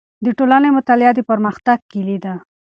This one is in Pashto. د ټولنې مطالعه د پرمختګ کیلي ده.